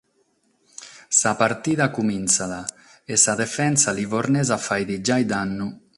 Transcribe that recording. Sa partida cumintzat e sa defensa livornesa faghet giai dannu.